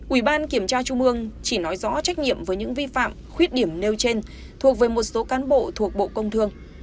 ủy ban kiểm tra trung ương chỉ nói rõ trách nhiệm với những vi phạm khuyết điểm nêu trên thuộc về một số cán bộ thuộc bộ công thương